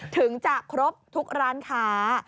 ถึงจะครบทุกร้านค้า